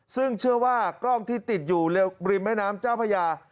ซึ่งเชื่อว่ากล้องที่ติดอยู่เร็วริมแม่นทรัพย์เจ้าพระยา